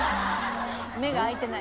目が開いてない？」